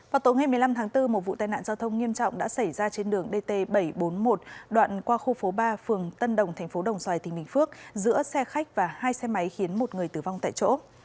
vào tối ngày một mươi năm tháng bốn một vụ tai nạn giao thông nghiêm trọng đã xảy ra trên đường dt bảy trăm bốn mươi một đoạn qua khu phố ba phường tân đồng thành phố đồng xoài tỉnh bình phước giữa xe khách và hai xe máy khiến một người tử vong tại chỗ